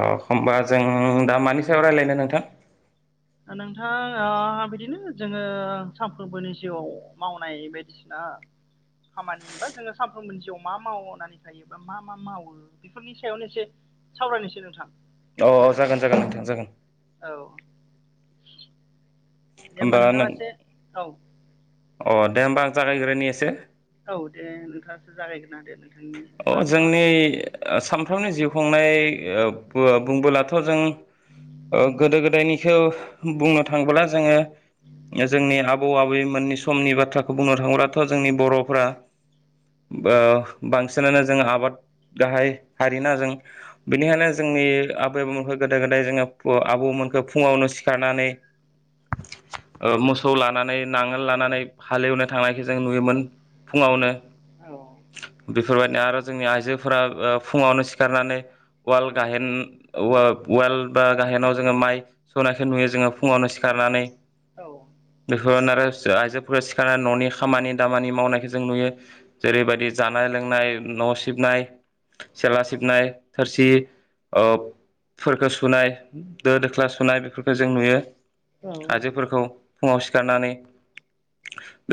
अ होमबा जों दा मानि सायाव रायज्लायनो नोंथां? नोंथाङाहा ओ बिदिनो जोङो सानफ्रोमबोनि जिउआव मावनाय बायदिसिना खामानि बा जोङो सानफ्रोमबोनि जिउआव मा मावनानै थायो बा मा मा मावो बेफोरनि सायावनो एसे सावरायनोसै नोंथां। अ जागोन जागोन नोंथां जागोन। औ दे होमबा नोंथाङा एसे औ अ दे होनबा आं जागायग्रोनि एसे औ दे नोंथांसो जागायदो। ओ [inaudible] [unintelligible] अ जोंनि सानफ्रोमनि जिउ खुंनाय बु-बुंबोलाथ' जों अ गोदो गोदायनिखौ बुंनो थाङोब्ला जोङो जोंनि आबौ आबैमोननि समनि बाथ्राखौ बुंनो थाङोब्लाथ' जोंनि बर'फ्रा बा बांसिनानो जों आबाद गाहाय हारिना जों बिनिखायनो जोंनि आबै आबौमोनखौ गोदो गोदाय जोङो पु आबौमोनखौ फुङावनो सिखारनानै अ मोसौ लानानै नांगोल लानानै हालेवनो थांनायखौ जों नुयोमोन। फुङावनो औ औ। आरो जोंनि आइजोफोरा अ फुङावनो सिखारनानै वाल गाहेन वा-वाल बा गाहेनाव जोङो माइ सौनायखौ नुयो जोङो फुङावनो सिखार- नानै बेफोर आरो जो आइजोफोरा सिखारनानै ननि खामानि दामानि मावनायखौ जों नुयो जेरैबायदि। जानाय लोंनाय न सिबनाय। सिला सिबनाय थोरसि अ फोरखौ सुनाय दो दोख्ला सुनाय बेफोरखौ जों नुयो औ आइजोफोरखौ। फुङाव सिखारनानै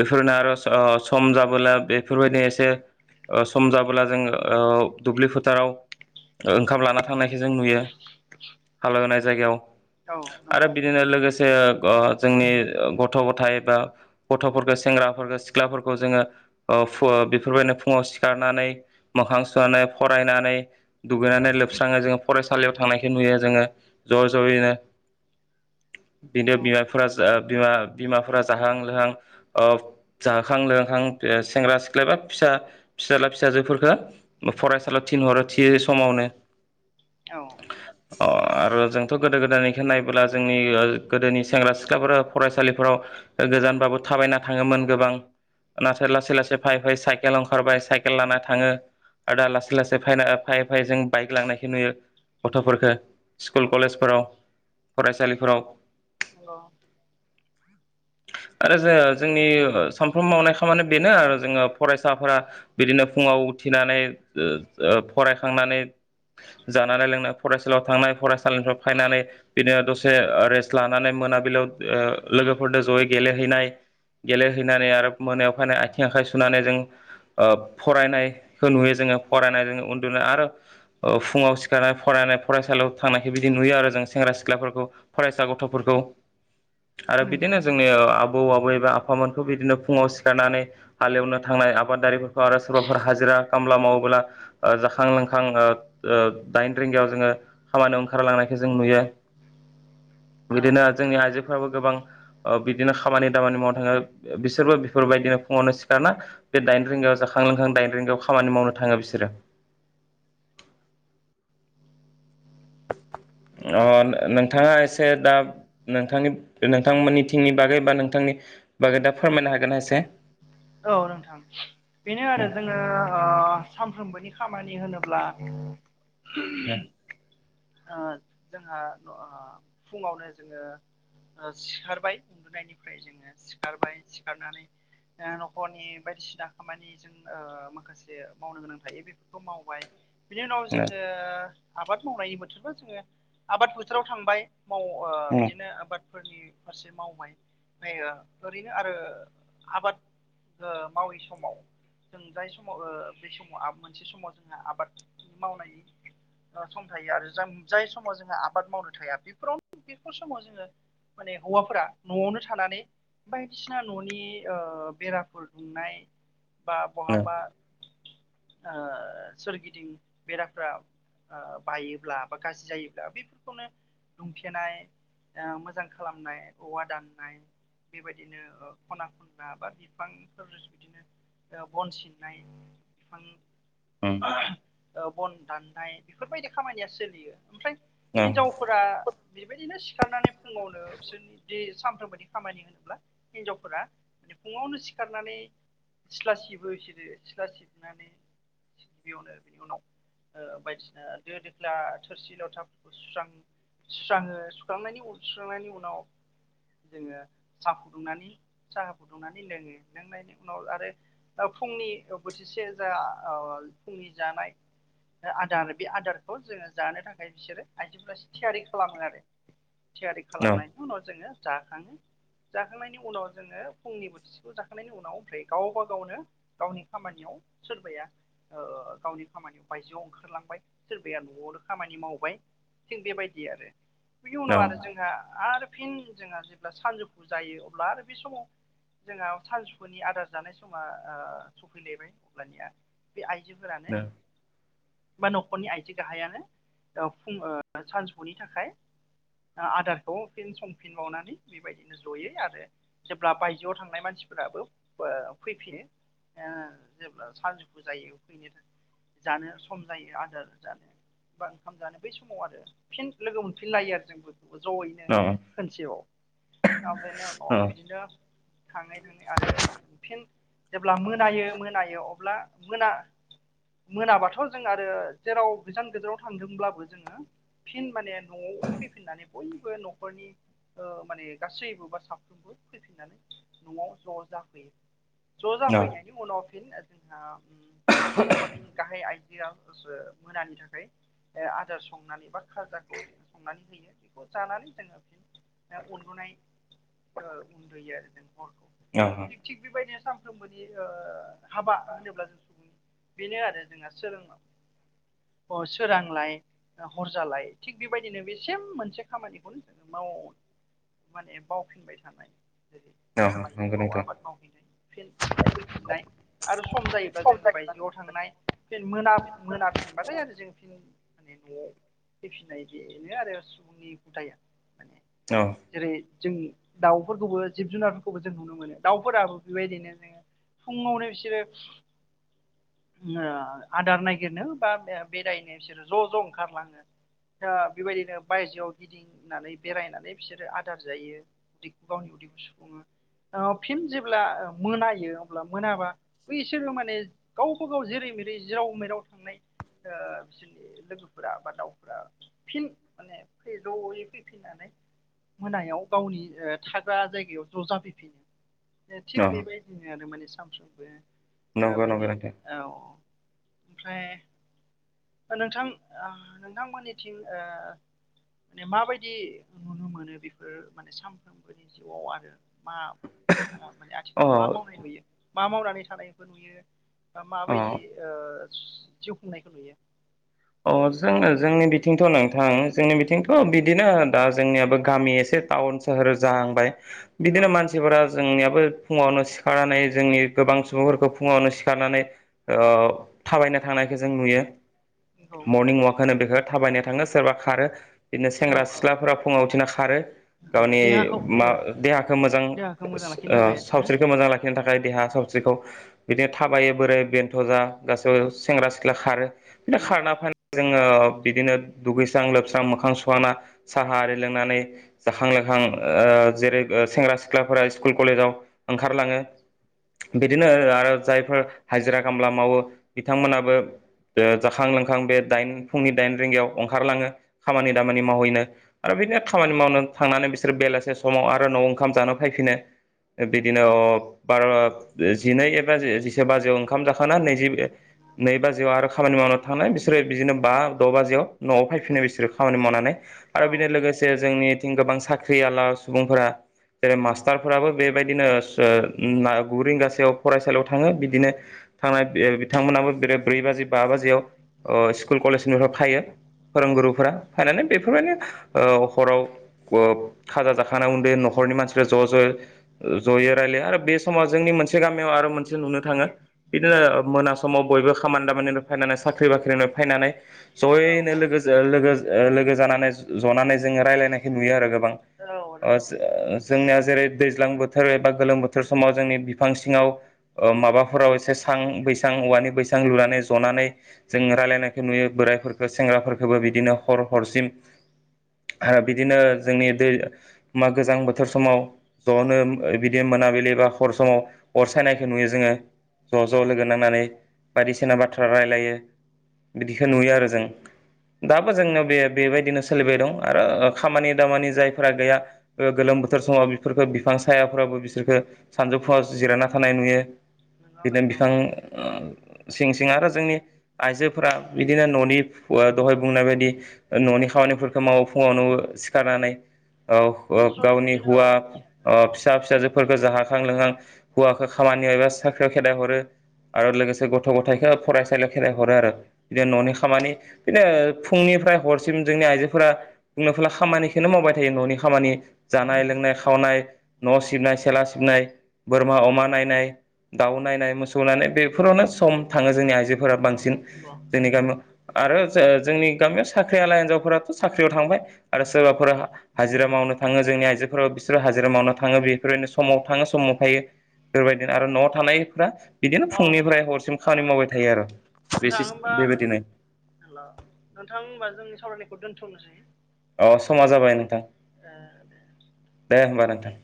बेफोरनो आरो अ सम जाबोला बेफोरबायदि एसे। अ सम जाबोला जोङो अ दुब्लि फोथाराव। ओंखाम लाना थांनायखौ जों नुयो हालेवनाय जायगायाव। औ आरो नंगौ बिदिनो लोगोस। ए अ जोंनि गथ गथाय एबा गथफोरखौ सेंग्राफोरखौ सिख्लाफोरखौ जोङो। अ फो बेफोरबायनो फुङाव सिखारनानै मोखां सुनानै फरायनानै दुगैनानै लोबस्राङो जोङो फरायसालियाव थां- नायखौ नुयो जोङो ज जयैनो। [inaudible] बिनो नंगौ बिमाफोरा साब ओब बिमा-बिमाफोरा जाहां लोहां अ जाहाखां लोहोखां सेंग्रा सिख्लााया बा फिसा फिसाज्ला फिसाजोफोरखौ फरायसालियाव थिनहरो थि समावनो। औ अ आरो जोंथ गोदो गोदायनिखौ नायबोला जोंनि गोदोनि सेंग्रा सिख्लाफोरा फरायसालिफोराव। गोजानबाबो थाबायना थाङोमोन गोबां नाथाय लासै- लासै फायै-फायै साइकेलाव ओंखारबाय साइकेल लाना थाङो आरो दा लासै-लासै फायना फायै-फायै जों बाइक लांनायखौ नुयो। गथफोरख स्कुल कलेजफोराव फरायसालिफोराव। औ आरो जो-जोंनि सानफ्रोम मावनाय खामानि बेनो जोङो फरायसाफोरा बिदिनो फुङाव उथिनानै द द फरायखांनानै। जानानै लोंना फरायसालियाव थांनाय फरायसालिनिफ्राय फायनानै बिदिनो दसे अ रेस्ट लानानै। मोनाबिलियाव अ लोगोफोरनो जयै गेलेहैनाय। गेलेहैनानै आरो मोनायाव फायना आथिं आखाइ सुनानै जों। ओब-फरायनाय-खो नुयो जोङो फरायनायजों उन्दुनाय आरो अ फुङाव सिखारनाय फरायनाय। फरायसालियाव थांनायखौ बिदि नुयो आरो जों सेंग्रा सिख्लाफोरखौ फरायसा गथफोरखौ। [inaudible] आरो नंगौ बिदिनो जोंनि आबौ आबै बा फामोनखौ बिदिनो फुङाव सिखारनानै हालेवनो थांनाय आबादारिफोर- आरो सोरबाफोर हाजिरा खामला मावोब्ला अ जाखां लोंखां अ अ दाइन रिंगायाव जोङो। खामानियाव ओंखारलांनायखौ जों नुयो। [inaudible] औ बिदिनो जोंनि आइजो फ्राबो गोबां बिदिनो खामानि दामानि मावनो थाङो बिसोरबो बेफोरबायदिनो फुङावनो सिखारना बे दाइन रिंगायाव जाखां खां लोंखां दाइन रिंगायाव खामानि मावनो थाङो बिसोरो। [inaudible] अ नोंथाङा एसे दा नोंथांनि नोंथांमोननि थिंनि बागै बा नोंथांनि बागै दा फोरमायनो हागोना एसे। औ नोंथां बेनो आरो जोङो अ सानफ्रोमबोनि खामानि होनोब्ला ओ-जोंहा ओ-फुङावनो जोङो सिखारबाय उन्दुनायनिफ्राय जोङो सिखारबाय सिखारनानै ओ-नखनि बायदिसिना खामानिजों ओ माखासे मावनो गोनां थायो बेफोरखौ मावबाय। बिनि उनाव जोङो आबाद मावनायनि बोथोरबो जोङो आबाद बोथोराव थांबाय। माव ओ बिदिनो आबादफोरनि फारसे मावबाय बायो। ओरैनो आरो आबाद ओ मावै समाव जों जाय समाव ओ बे समाव [unintelligible] समाव जोंहा आबाद मावनायनि सम थायो आरो जा जाय समाव जोंहा आबाद मावनो थाया बेफोरावनो बेफोर समाव जोङो माने हौवाफोरा न'आवनो थानानै बायदिसिना न'नि ओ बेराफोर दुमनाय बा बहाबा ओ सोरगिदिं बेराफ्रा ओ बायोब्ला बा गाज्रि जायोब्ला बेफोरखौनो दुमथेनाय ओ मोजां खालामनाय औवा दाननाय बेबायदिनो खना खनग्रा बा बिफांफोर बिदिनो बन सिननाय बिफां बन दाननाय बेफोरबायदि खामानिया सोलियो ओमफ्राय हिनजावफोरा बेबायदिनो सिखारनानै फुङावनो बिसोरनि सानफ्रोम बोनि खामानि हिनजावफोरा माने फुङावनो सिखारनानै सिथ्ला सिबो बिसोरो सिथ्ला सिबनानै गिबियावनो बिनि उनाव ओ बायदिसिना द दोख्ला थोरसि लथाफोरखौ सुस्रां सुस्राङो सुख्रांनायनि उन सुस्रांनायनि उनाव जोङो साहा फुदुंनानै साहा फुदुंनानै लोङो लोंनायनि उनाव आरो फुंनि बोथिसे बोथिसे जा [unintelligible] फुंनि जानाय आदार बे आदारखौ जोङो जानो थाखाय बिसोरो आइजोफोरासो थियारि खालामो आरो। थियारि खालामनायनि उनाव जोङो जाखाङो। जाखांनायनि उनाव जोङो फुंनि बोथिसेखौ जाखांनायनि उनाव ओमफ्राय गावबा गावनो गावनि खामानियाव सोरबाया ओ गावनि खामानियाव बायजोआव ओंखारलांबाय सोरबाया न'आवनो खामानि मावबाय। थिं बेबायदि आरो बिनि उनाव आरो जोंहा आरो फिन जोंहा जेब्ला सानजौफु जायो अब्ला आरो बे समाव जोंनाव सानजौफुनि आदार जानाय समा सफैलायबाय अब्लानिया बे आइ बिफोरानो बा न'खरनि आइजो गाहायानो फुं सानजफुनि थाखाय आदारखौ फिन संफिनबावनानै बेबायदिनो जयै आरो जेब्ला बायजोआव थांनाय मानसिफोराबो फैफिनो ओ जेब्ला सानजौफु जायो फैनो थाखाय जानो सम जायो आदार जानो। बा ओंखाम जानो बै समाव आरो फिन लोगो मोनफिनलायो आरो जोंबो ज'यैनो खोनसेयाव। ओ बिदिनो अ बिदिनो थाङै थाङै आरो फिन जेब्ला मोनायो मोनायो अब्ला मोना मोनाबाथ' जों आरो जेराव गोजान गोजानाव थांदोंब्लाबो जोंङो फिन माने न'आव फैफिननानै बयबो न'खरनि ओ माने गासैबोबा साफ्रोमबो फैफिननानै न'आव ज' जाफैयो। ज' जाफैनायनि उनाव फिन जोंहा न'खरनि गाहाय आइ [unintelligible] मोनानि थाखाय आदार संनानै बा खाजाखौ संनानै होयो। जानानै जोंङो उन्दुनाय ओ उन्दुयो आरो [unintelligible] थिग बेबायदिया साम मानि ओ हाबा होनोब्ला जों सुबुं बेनो आरो जोंहा सोलोलोङाव [unintelligible] अ सोरांलाय हरजालाय थिग बेबायदिनो बे सेम मोनसे खामानिखौनो जों माव माने बावफिनबाय थानाय औ जिउआव आबाद मावहैनाय फि न'आव फैफिननाय आरो सम जायोब्ला जोंङो बायजोआव थांनाय फन मोना मोनाफिनबाथाय आरो जों फिन फिसिनायनि आरो उननि गुटाया माने [unintelligible] औ जेरै जों दाउफोरखौबो जिब जुनारफोरखौबो जों नुनो मोनो दाउफोराबो बेबायदिनो जोंङो फुंङावनो बिसोरो ओ आदार नागिरनो बा बेरायनो बिसोरो ज' ज' ओंखारलांङो दा बेबायदिनो बायजोआव गिदिंनानै बेरायनानै बिसोरो आदार जायो उदैखौ गावनि उदैखौ सुफुंङो ओ फिन जेब्ला मोनायो अब्ला मोनाबा बिसोरो माने गावबा गाव जेरै जेरै जिराव मेराव थांनाय ओ बिसोरनि लोगोफोरा बा दाउफोरा फिन माने ज'यै फैफिननानै मोनायाव गावनि थाग्रा जायगायाव ज' जाफैफिनो ए थिग बेबायदिनो आरो माने सामसामबो नंगौ नोंथां औ नंगौ बिनि नोंथां औ ओमफ्राय नोंथां नोंथांमोननिथिं ओ माने माबायदि नुनो मोनो बेफोर माने सानफ्रोमबोनि जिउआव आरो मा माने अ आथिखालाव मा मावनाय नुयो मा मावनानै थानायानायखौ नुयो अ माबायदि ओ जिउ खुंनायखौ नुयो अ जोंनो जोंनि बिथिंथ' नोंथां जोंनि बिथिंथ' बिदिनो दा जोंनियाबो गामि एसे टाउन सोहोर जाहांबाय औ बिदिनो मानसिफोरा जोंनियाबो फुंङावनो सिखारनानै जोंनि गोबां सुबुंफोरखौ फुंङावनो सिखारनानै थाबायनो थांनायखौ जों नुयो नंगौ मरर्निं अवक होनो बेखौ थाबायनो थांङो सोरबा खारो बिदिनो औ सेंग्रा औ सिख्लाफोरा फुंङाव उथिना खारो गावनि देहाखौ औ मा देहाखौ मोजां देहाखौ मोजां लाखिनो ओ थाखाय आरो ना सावस्रिखौ मोजां लाखिनो थाखाय देहा औ थबसेखौ बिदिनो थाबायो बोरै बेन्थ' जा गासैबो सेंग्रा सिख्ला खारो [unintelligible] नोंगौ जोंङो बिदिनो दुगैस्रां लोबस्रां मोखां सुना साहा आरि लोंनानै जाखां लोंखां ओ जेरै सेंग्रा सिख्लाफोरा स्कुल कलेजाव ओंखारलाङो बिदिनो आरो जायफोर हाजिरा खामला मावो बिथांमोनाबो जाखां लोंखां आं बे दाइन फुंनि दाइन रिंगायाव ओंखारलाङो खामानि दामानि मावहैनो आरो बिदिनो खामानि मावनो थांनानै बिसोरो बेलासे समाव आरो न'आव ओंखाम जानो फैफिनो बिदिनो अ बार' जिनै एबा जिसे बाजियाव ओंखाम जाखाना नैजि नै बाजियाव आरो खामानि मावनो थांनाय बिसोरो बिदिनो बा द' बाजियाव न'आव फैफिनाय बिसोरो खामानि मावनानै आरो औ बिदि लोगोसे जोंनिथिं गोबां साख्रियाला सुबुंफोरा जेरै मास्टारफोराबो बेबायदिनो गु रिंगासोआव फरायसालियाव थांङो बिदिनो थांनाय बे बिथांमोनाबो बेर ब्रै बाजि बा बाजियाव स्कुल कलेजनिफ्राय थायो फोरोंगुरुफोरा फायनानै बेफोरबायदि हराव व खाजा जाखांनाने उन्दै न'खरनि मानसिफ्रा ज' ज' जये'रायलाया आरो बे समाव जोंनि मोनसे गामियाव आरो मोनसे नुनो थाङो बिदिनो मोना समाव बयबो खामानि दामानि फैनानै साख्रि बाख्रिनो फैनानै औ जयैनो लोगो ओ लोगो लोगो जानानै जनानै जोङो राय्लायनायखौ नुयो आरो गोबां औ ओ नंगौ औ जो जोंनिया जेरै दैज्लां बोथोर एबा गोलोम बोथोर समाव जोंनि बिफां सिङाव माबाफोराव एसे सां बैसां औवानि बैसां लुनानै जनानै जों रायलायनायखौ नुयो बोराइफोरखौ सेंग्राफोरखौबो बिदिनो हर हरसिम ओ बिदिनो जोंनि दै मा गोजां बोथोर समाव ज'नो बिदि मोन मोनाबिलि बा हर समाव अर सायनायखौ नुयो जोङो ज' ज' नंगौ नंगौ लोगो नांनानै बायदिसिना बाथ्रा रायलायो बिदिखौ नुयो आरो जों दाबो जोंनियाव बे बेबायदिनो सोलिबाय दं आरो खामानि दामानि जायफोरा गैया गोलोम बोथोर समाव बिफोरखो बिफां सायाफोराबो बिसोरखो सानजौफुङआव जिरायना थानाय नुयो बिदिनो बिफां सिं सिं आरो जोंनि आइजोफोरा बिदिनो न'नि दहाय बुंनाय बायदि न'नि खामानिफोरखौ मावो फुङावनो सिखारनानै औ ओ जयै गावनि बिदिनो औ हौवा ओ फिसा फिसाजोफोरखौ जाहाखां लोंहां हौवाखौ खामानियाव एबा साख्रियाव खेदाइ हरो आरो लोगोसे गथ' गथायाइखौ फरायसालि खेराय हरो आरो बिदिनो औ न'नि खामानि बिदिनो फुंनिफ्राय हरसिम जोंनि आइजोफोरा फला खामानिखौनो मावबाय थायो न'नि खामानि जानाय नंगौ लोंनाय नंगौ खावनाय न' सिबनाय सेला सिबनाय बोरमा अमा नायनाय दाउ नायनाय मोसौ नायनाय बेफोरावनो सम थाङो जोंनि आइजो फोर औ बांसिन नंगौ जोंनि गामियाव आरो जोंनि गामियाव साख्रियाला हिनजावफोराथ' साख्रियाव थांबाय आरो सोरबाफोरा हाजिरा माव नो थाङो जोंनि आइजोफोराव बिसोरो हाजिरा मावनो थाङो बेफोरबायदिनो समाव थाङो समाव थायो बेफोरबायदिनो आरो न'आव थानायफ्रा बिदिनो औ फुंनिफ्राय हरसिम खामानि मावबाय थायो आरो बे नोंथाङ होमबा बेबायदिनो हेल' नोंथां होमबा जोंनि सावरायनायखौ दोन्थ'नोसै अ समा जाबाय नोंथां उम दे होमबा नोंथां